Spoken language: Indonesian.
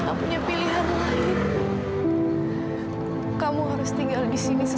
sampai jumpa di video selanjutnya